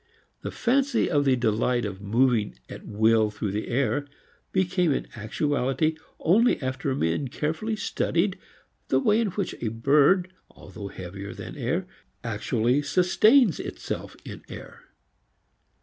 The fancy of the delight of moving at will through the air became an actuality only after men carefully studied the way in which a bird although heavier than air actually sustains itself in air.